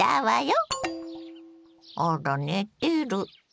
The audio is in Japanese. あら寝てる。